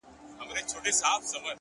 پر زود رنجۍ باندي مي داغ د دوزخونو وهم!!